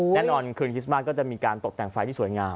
แน่นอนคืนคริสต์มาสก็จะมีการตกแต่งไฟที่สวยงาม